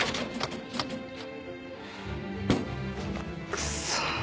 クソ。